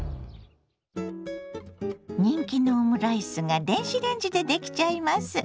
人気のオムライスが電子レンジでできちゃいます。